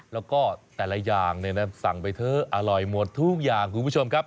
แล้วก็แต่ละอย่างเนี่ยนะสั่งไปเถอะอร่อยหมดทุกอย่างคุณผู้ชมครับ